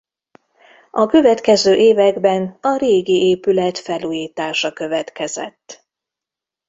A következő években a régi épület felújítása következett.